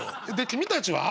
君たちは？